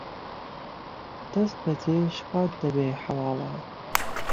دهست به جێ شفات دهبێ حهواڵه